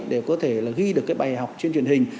để có thể là ghi được cái bài học trên truyền hình